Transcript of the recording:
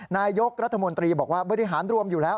นายกรัฐมนตรีบอกว่าบริหารรวมอยู่แล้ว